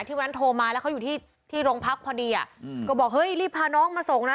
วันนั้นโทรมาแล้วเขาอยู่ที่ที่โรงพักพอดีอ่ะอืมก็บอกเฮ้ยรีบพาน้องมาส่งนะ